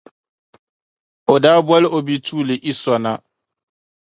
o daa boli o bituuli Iso na.